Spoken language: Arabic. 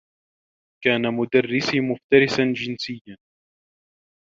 كان مدرّسي مفترسا جنسيّا.